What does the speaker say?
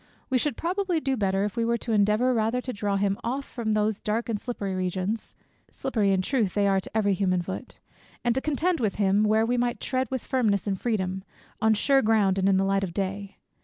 We should probably do better, if we were to endeavour rather to draw him off from these dark and slippery regions, (slippery in truth they are to every human foot) and to contend with him, where we might tread with firmness and freedom, on sure ground, and in the light of day.